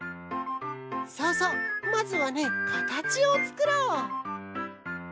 そうそうまずはねかたちをつくろう。